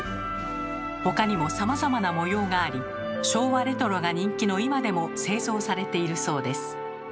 他にもさまざまな模様があり昭和レトロが人気の今でも製造されているそうです。